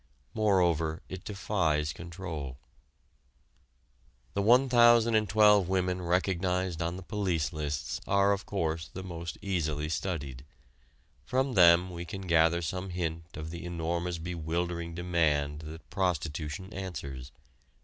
Moreover it defies control. The 1012 women recognized on the police lists are of course the most easily studied. From them we can gather some hint of the enormous bewildering demand that prostitution answers.